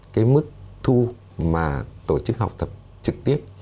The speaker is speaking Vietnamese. cái mức thu mà tổ chức học tập trực tiếp